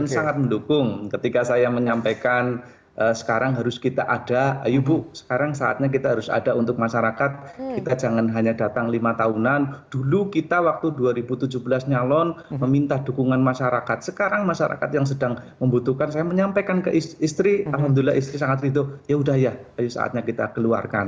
dan sangat mendukung ketika saya menyampaikan sekarang harus kita ada ayo bu sekarang saatnya kita harus ada untuk masyarakat kita jangan hanya datang lima tahunan dulu kita waktu dua ribu tujuh belas nyalon meminta dukungan masyarakat sekarang masyarakat yang sedang membutuhkan saya menyampaikan ke istri alhamdulillah istri sangat ritu yaudah ya ayo saatnya kita keluarkan